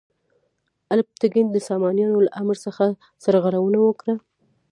الپتکین د سامانیانو له امر څخه سرغړونه وکړه.